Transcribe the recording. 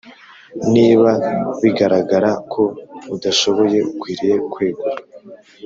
Niba bigaragara ko udashoboye ukwiriye kwegura